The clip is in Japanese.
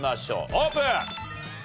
オープン！